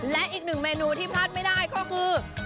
และอีกหนึ่งเมนูที่พลาดไม่ได้ก็คือ